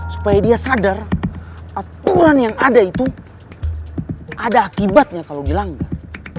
supaya dia sadar aturan yang ada itu ada akibatnya kalau dilanggar